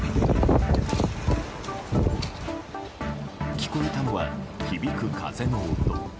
聞こえたのは、響く風の音。